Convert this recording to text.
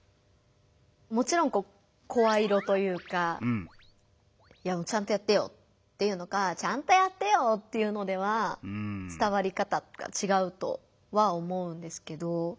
もちろん声色というか「いやちゃんとやってよ」って言うのか「ちゃんとやってよ」って言うのでは伝わり方とかちがうとは思うんですけど。